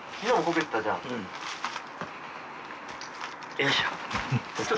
よいしょ。